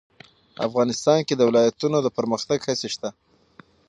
افغانستان کې د ولایتونو د پرمختګ هڅې شته.